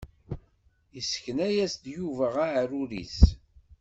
Isekna-yas-d Yuba aɛrur-is.